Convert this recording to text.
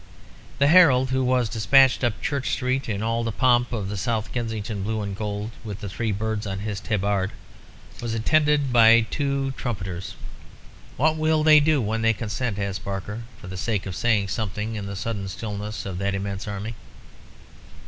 The herald who was despatched up Church Street in all the pomp of the South Kensington blue and gold, with the Three Birds on his tabard, was attended by two trumpeters. "What will they do when they consent?" asked Barker, for the sake of saying something in the sudden stillness of that immense army.